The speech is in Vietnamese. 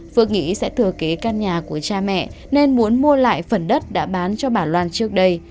phước nghĩ sẽ thừa kế căn nhà của cha mẹ nên muốn mua lại phần đất đã bán cho bà loan trước đây